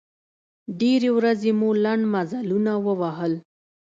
ډېرې ورځې مو لنډ مزلونه ووهل.